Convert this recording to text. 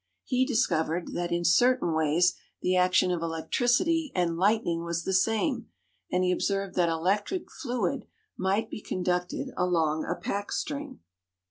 He discovered that in certain ways, the action of electricity and lightning was the same, and he observed that electric fluid might be conducted along a pack string.